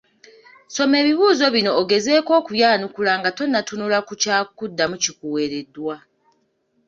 Soma ebibuuzo bino ogezeeko okubyanukula nga tonnatunula ku kyakuddamu kiweereddwa.